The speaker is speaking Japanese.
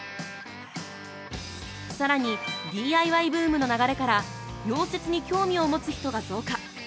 さらに、ＤＩＹブームの流れから溶接に興味を持つ人が増加。